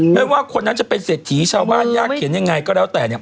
ไม่ว่าคนนั้นจะเป็นเศรษฐีชาวบ้านยากเขียนยังไงก็แล้วแต่เนี่ย